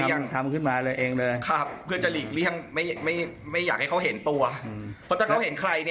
อารวาสเลยเหรอ